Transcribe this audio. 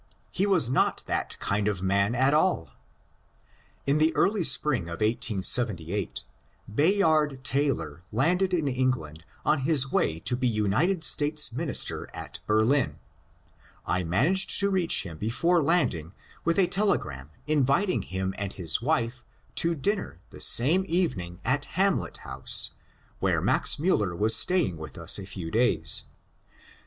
He was not that kind of man at all ! In the early spring of 1878 Bayard Taylor landed in Eng land on his way to be United States Minister at Berlin. I 814 MONCUEE DANIEL CONWAY managed to reach him before landing with a telegram invit ing him and his wife to dinner the same evening at Hamlet House, where Max Miiller was staying with us a few days.